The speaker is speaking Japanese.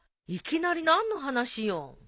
いきなり何の話よ。